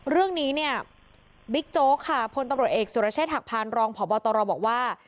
เรื่องนี้เนี่ยบิ๊กโจ๊กค่ะพลตำรวจเอกสุรเชษฐหักพานรองพบตรบอกว่า